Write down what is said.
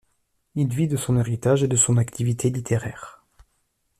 Il vit de son héritage et de son activité littéraire.